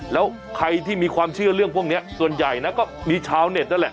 แล้วใครที่มีความเชื่อเรื่องพวกนี้ส่วนใหญ่นะก็มีชาวเน็ตนั่นแหละ